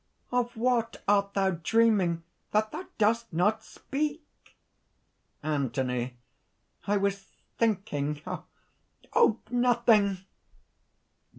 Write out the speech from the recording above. "Of what art thou dreaming, that thou dost not speak?" ANTHONY. "I was thinking.... Oh! nothing!"